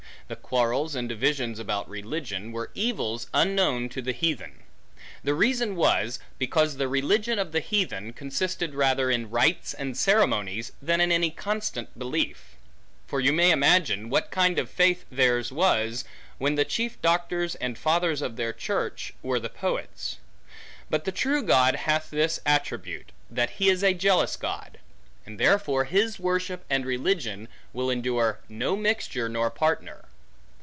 The quarrels, and divisions about religion, were evils unknown to the heathen. The reason was, because the religion of the heathen, consisted rather in rites and ceremonies, than in any constant belief. For you may imagine, what kind of faith theirs was, when the chief doctors, and fathers of their church, were the poets. But the true God hath this attribute, that he is a jealous God; and therefore, his worship and religion, will endure no mixture, nor partner.